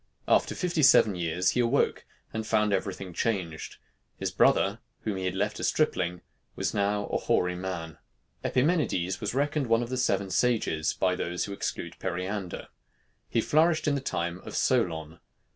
After fifty seven years he awoke, and found every thing changed. His brother, whom he had left a stripling, was now a hoary man. Epimenides was reckoned one of the seven sages by those who exclude Periander. He flourished in the time of Solon.